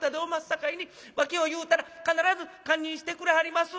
さかいに訳を言うたら必ず堪忍してくれはります。